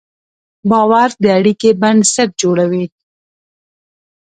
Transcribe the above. باور د اړیکې بنسټ جوړوي.